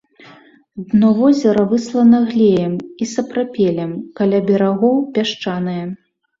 Дно возера выслана глеем і сапрапелем, каля берагоў пясчанае.